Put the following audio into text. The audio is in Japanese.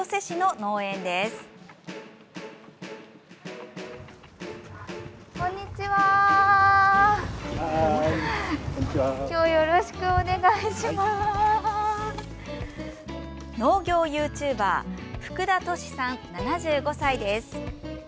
農業ユーチューバー福田俊さん、７５歳です。